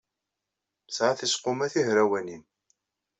Tesɛa tiseqquma tihrawanin.